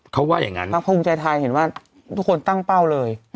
เขาว่าอย่างนั้นพักภูมิใจไทยเห็นว่าทุกคนตั้งเป้าเลย